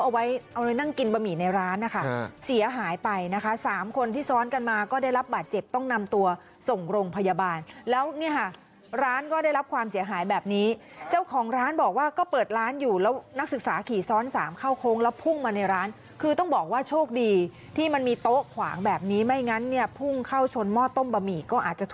เอาไว้เอาเลยนั่งกินบะหมี่ในร้านนะคะเสียหายไปนะคะสามคนที่ซ้อนกันมาก็ได้รับบาดเจ็บต้องนำตัวส่งโรงพยาบาลแล้วเนี่ยค่ะร้านก็ได้รับความเสียหายแบบนี้เจ้าของร้านบอกว่าก็เปิดร้านอยู่แล้วนักศึกษาขี่ซ้อนสามเข้าโค้งแล้วพุ่งมาในร้านคือต้องบอกว่าโชคดีที่มันมีโต๊ะขวางแบบนี้ไม่งั้นเนี่ยพุ่งเข้าชนหม้อต้มบะห